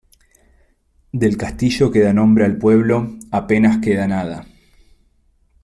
Del castillo que da nombre al pueblo apenas queda nada.